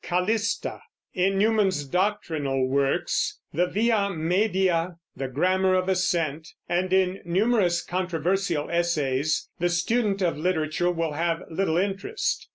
In Newman's doctrinal works, the Via Media, the Grammar of Assent, and in numerous controversial essays the student of literature will have little interest.